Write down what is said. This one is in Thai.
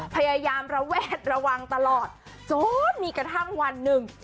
พยายามระแวดระวังตลอดจนมีกระทั่งวันหนึ่ง